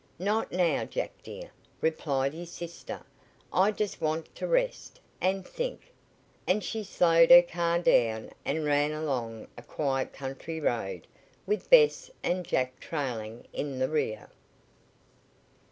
"Not now, Jack, dear," replied his sister. "I just want to rest and think," and she slowed her car down and ran along a quiet country road, with Bess and Jack trailing in the rear.